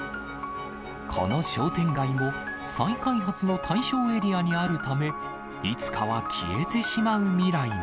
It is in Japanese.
この商店街も、再開発の対象エリアにあるため、いつかは消えてしまう未来に。